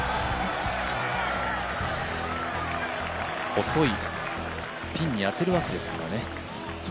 細いピンに当てるわけですからね。